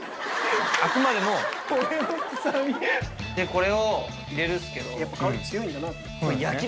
これを入れるんすけど。